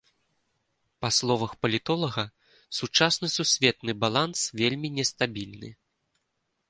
Па словах палітолага, сучасны сусветны баланс вельмі нестабільны.